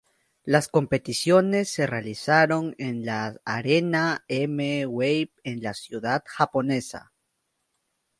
Las competiciones se realizaron en la Arena M-Wave de la ciudad japonesa.